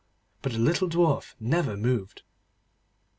But the little Dwarf never moved.